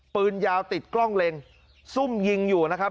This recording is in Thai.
ปืนยาวติดกล้องเล็งซุ่มยิงอยู่นะครับ